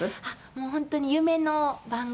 もう本当に夢の番組。